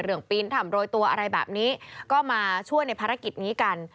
ปีนถ่ำโรยตัวอะไรแบบนี้ก็มาช่วยในภารกิจนี้กัน